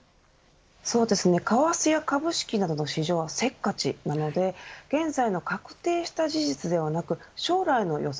そうですね、為替や株式などの市場はせっかちなので現在の確定した事実ではなく将来の予測